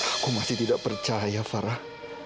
aku masih tidak percaya farah